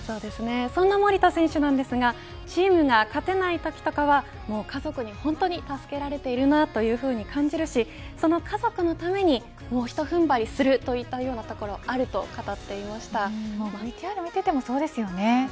そんな守田選手なんですがチームが勝てないときとかは家族に本当に助けられているなというふうに感じるし、その家族のためにもうひと踏ん張りするというようなところもあるとＶＴＲを見ていてもそうですね。